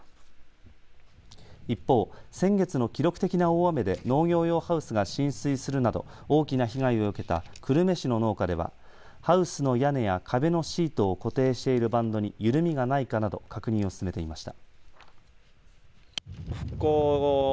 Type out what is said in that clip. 一方、先月の記録的な大雨で農業用ハウスが浸水するなど大きな被害を受けた久留米市の農家ではハウスの屋根や壁のシートを固定しているバンドに緩みがないかなど確認を進めていました。